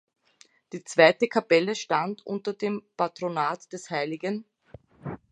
Die zweite Kapelle stand unter dem Patronat des hl.